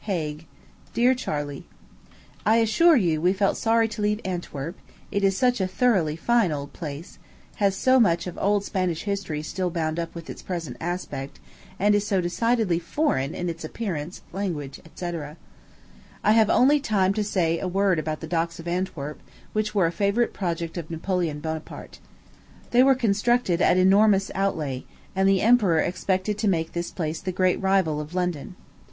HAGUE. DEAR CHARLEY: I assure you we felt sorry to leave Antwerp; it is such a thoroughly fine old place, has so much of old Spanish history still bound up with its present aspect, and is so decidedly foreign in its appearance, language, &c. I have only time left to say a word about the docks of Antwerp, which were a favorite project of Napoleon Bonaparte. They were constructed at an enormous outlay; and the emperor expected to make this place the great rival of London.